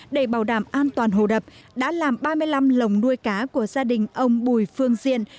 để bảo đảm an toàn hồ đập đã làm ba mươi năm lồng nuôi cá của gia đình ông bùi phương diện